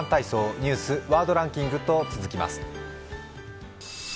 ニュース、ワードランキングと続きます。